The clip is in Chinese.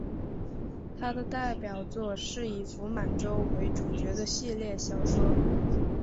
他的代表作是以傅满洲为主角的系列小说。